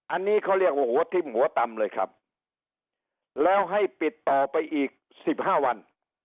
อันนี้เขาเรียกว่าหัวทิ่มหัวตำเลยครับแล้วให้ปิดต่อไปอีกสิบห้าวัน